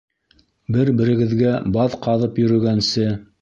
Бер-берегеҙгә баҙ ҡаҙып йөрөгәнсе...